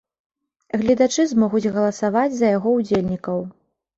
Гледачы змогуць галасаваць за яго ўдзельнікаў.